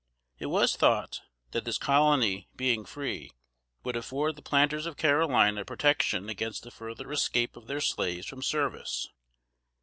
It was thought that this colony, being free, would afford the planters of Carolina protection against the further escape of their slaves from service.